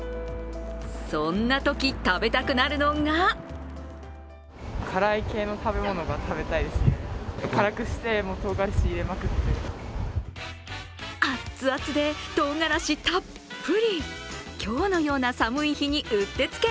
そんなとき食べたくなるのが熱々でとうがらしたっぷり、今日のような寒い日にうってつけ。